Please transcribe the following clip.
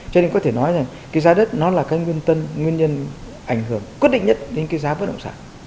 cho nên có thể nói là giá đất là nguyên nhân ảnh hưởng quyết định nhất đến giá vất động sản